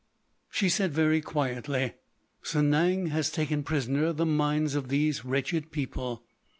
She said very quietly: "Sanang has taken prisoner the minds of these wretched people.